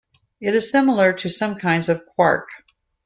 It is similar to some kinds of quark.